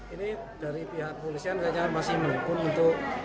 ini dari pihak polisian saya masih melukun untuk